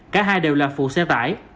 cả hai đều là phụ xe tải